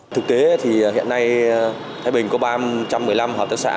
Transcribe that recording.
thực tế thì hiện nay thái bình có ba trăm một mươi năm hợp tác xã